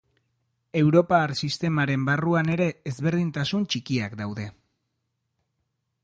Europar sistemaren barruan ere ezberdintasun txikiak daude.